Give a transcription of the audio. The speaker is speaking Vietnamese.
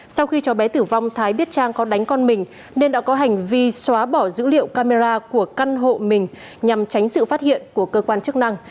sau khi cháu bé tử vong thái biết trang có đánh con mình nên đã có hành vi xóa bỏ dữ liệu camera của căn hộ mình nhằm tránh sự phát hiện của cơ quan chức năng